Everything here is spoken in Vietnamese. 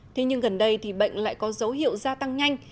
thế nhưng gần đây thì bệnh lại có dấu hiệu gia tăng nhanh